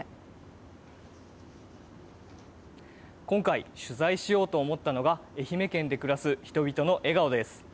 今回、取材しようと思ったのが愛媛県で暮らす人々の笑顔です。